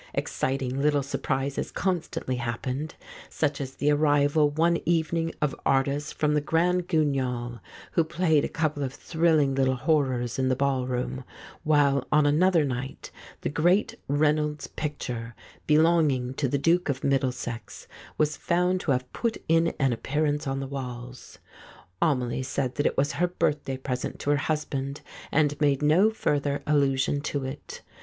Exciting little surprises constantly happened, such as the arrival one even ing of artists from the Grand Guignol, who played a couple of thrilling little horrors in the ballroom, while on another night the great Reynolds picture belonging to the Duke of Middlesex was found to have put in an appearance on the walls. Amelie 138 The False Step said that it was her birthday present to her husband, and made no further allusion to it.